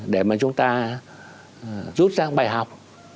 để mà chúng ta rút ra bài học